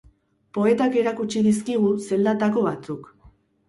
Poetak erakutsi dizkigu zeldatako batzuk.